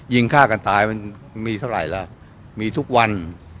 ฆ่ากันตายมันมีเท่าไหร่ล่ะมีทุกวัน